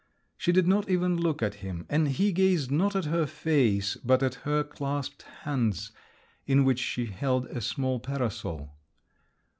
She did not even look at him; and he gazed not at her face, but at her clasped hands, in which she held a small parasol.